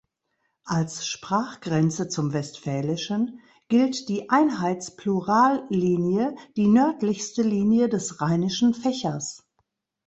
Als Sprachgrenze zum Westfälischen gilt die Einheitsplurallinie, die nördlichste Linie des Rheinischen Fächers.